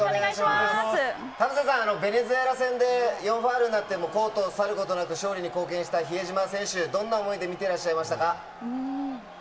田臥さん、ベネズエラ戦で４ファウルになってもコートを去ることなく、勝利に貢献した比江島選手、どんな思いで見てらっしゃいましたか。